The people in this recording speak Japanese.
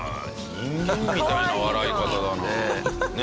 人間みたいな笑い方だな。